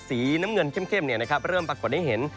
สีน้ำเงินเข้มเริ่มปรากฏให้เห็น